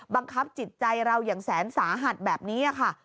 บังคับจิตใจเราอย่างแสนสาหัสแบบนี้ค่ะ